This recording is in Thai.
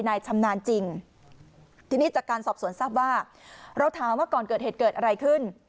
ชำนาญจริงทีนี้จากการสอบสวนทราบว่าเราถามว่าก่อนเกิดเหตุเกิดอะไรขึ้น